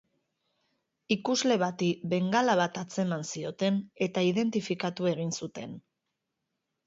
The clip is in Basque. Ikusle bati bengala bat atzeman zioten eta identifikatu egin zuten.